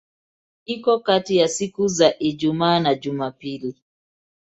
Iko kati ya siku za Ijumaa na Jumapili.